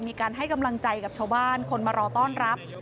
มีการให้กำลังใจกับชาวบ้านคนมารอต้อนรับ